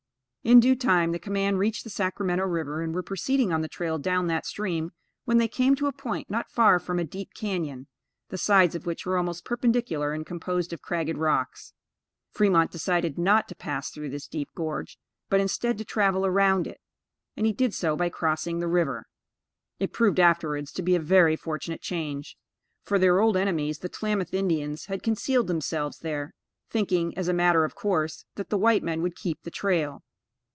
In due time the command reached the Sacramento River, and were proceeding on the trail down that stream, when they came to a point, not far from a deep cañon, the sides of which were almost perpendicular and composed of cragged rocks. Fremont decided not to pass through this deep gorge, but instead, to travel around it; and he did so by crossing the river. It proved afterwards to be a very fortunate change; for, their old enemies, the Tlamath Indians, had concealed themselves there, thinking, as a matter of course, that the white men would keep the trail.